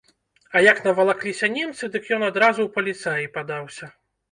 А як навалакліся немцы, дык ён адразу ў паліцаі падаўся.